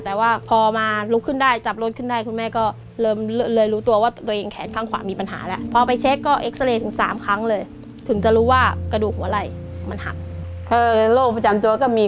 แต่ว่าพอมาลุกขึ้นได้จับรถขึ้นได้